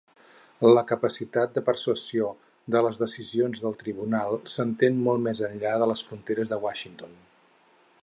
La capacitat de persuasió de les decisions del Tribunal s'estén molt més enllà de les fronteres de Washington.